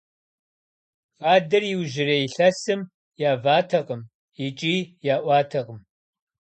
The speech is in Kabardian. Хадэр иужьрей илъэсым яватэкъым икӀи яӀуатэкъым.